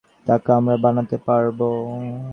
টাকা আমরা বানাতে পারব।